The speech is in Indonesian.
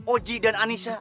oji dan anissa